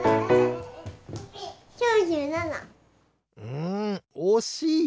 うんおしい！